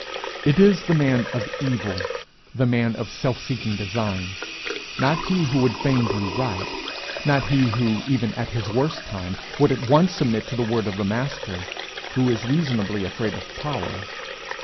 It is the man of evil, the man of self seeking design, not he who would fain do right, not he who, even in his worst time, would at once submit to the word of the Master, who is reasonably afraid of power.